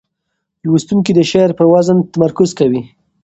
لوستونکي د شعر پر وزن تمرکز کوي.